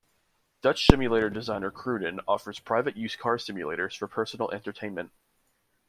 Dutch simulator designer Cruden offers private use car simulators for personal entertainment.